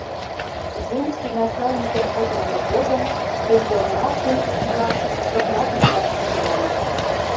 Земский начальникын кутырымыж годым шеҥгелнырак шинчыше-влак шыпрак мутланаш тӱҥальыч.